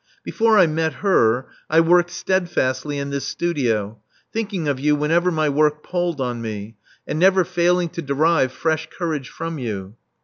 Before I met her, I worked steadfastly in this studio, thinking of you whenever my work palled on me, and never failing to derive fresh courage from you.